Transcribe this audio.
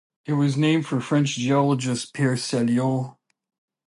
It was named for French geologist Pierre Saliot.